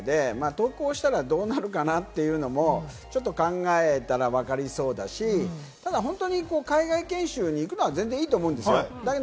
投稿したらどうなるかなというのも、ちょっと考えたらわかりそうだし、ただ本当に海外研修に行くのは全然いいと思うんです。